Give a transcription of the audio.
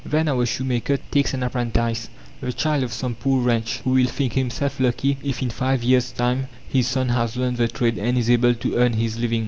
Then our shoemaker takes an apprentice, the child of some poor wretch, who will think himself lucky if in five years' time his son has learned the trade and is able to earn his living.